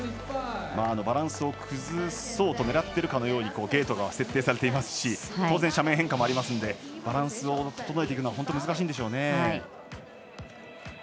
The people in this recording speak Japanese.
バランスを崩そうと狙っているかのようにゲートが設定されていますし当然、斜面変化もありますのでバランスを整えていくのは本当に難しいんでしょうね。